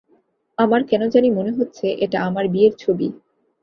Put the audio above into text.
আমার কেন জানি মনে হচ্ছে, এটা আমার বিয়ের ছবি।